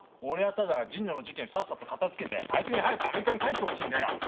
俺はただ神野の事件さっさと片付けてあいつに早くアメリカに帰ってほしいんだよ！